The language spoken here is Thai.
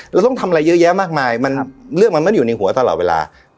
เราต้องทำอะไรเยอะแยะมากมายเรื่องมันไม่อยู่ในหัวตลอดเวลา